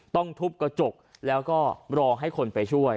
ต้องทุบกระจกแล้วก็รอให้คนไปช่วย